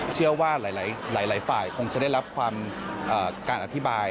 เชื่อว่าหลายฝ่ายคงจะได้รับการอธิบาย